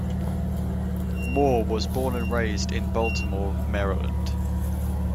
Moore was born and raised in Baltimore, Maryland.